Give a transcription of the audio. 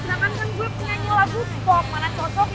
sedangkan kan gue nyanyi lagu pop mana cocoknya